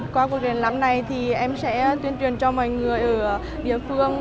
qua cuộc triển lãm này thì em sẽ tuyên truyền cho mọi người ở địa phương